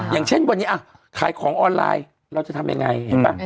อย่างเช่นวันนี้ขายของออนไลน์เราจะทำยังไงเห็นป่ะ